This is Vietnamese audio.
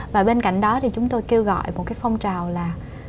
và bên cạnh đó thì chúng tôi kêu gọi một cái phong trào là